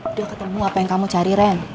udah ketemu apa yang kamu cari ren